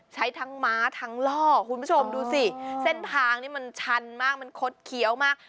ใช้ทั้งม้าทั้งล่อคุณผู้ชมดูสิเส้นทางนี่มันชันมากมันคดเคี้ยวมาก